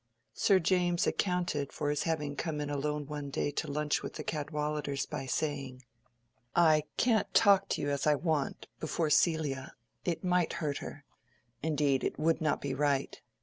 Sir James accounted for his having come in alone one day to lunch with the Cadwalladers by saying— "I can't talk to you as I want, before Celia: it might hurt her. Indeed, it would not be right."